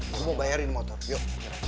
kamu mau bayarin motor yuk